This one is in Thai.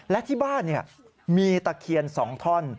และที่บ้านมีตะเคียน๒ท่อน